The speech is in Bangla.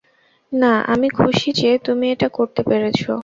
না, আমি খুশি যে তুমি এটা করতে পেরেছো।